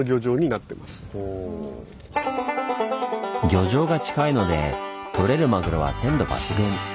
漁場が近いので取れるマグロは鮮度抜群。